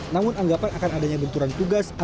namun anggapan akan adanya benturan tugas